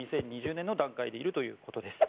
２０２０年の段階でいるということです。